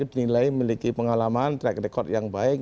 dinilai memiliki pengalaman track record yang baik